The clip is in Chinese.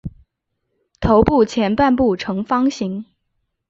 头部前半部呈方形。